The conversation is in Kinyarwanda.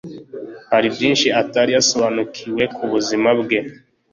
hari byinshi atari yasobanukiwe ku buzima bwe